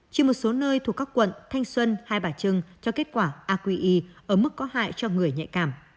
chỉ một số nơi thuộc các quận thanh xuân hai bà trưng cho kết quả aqi ở mức có hại cho ngưỡng